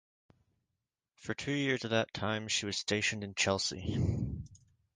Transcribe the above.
For two years of that time, she was stationed in Chelsea.